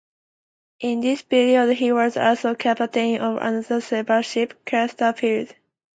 In this period he was also the captain of another slave ship "Chesterfield".